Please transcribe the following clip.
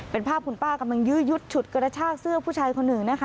เป็นภาพคุณป้ากำลังยื้อยุดฉุดกระชากเสื้อผู้ชายคนหนึ่งนะคะ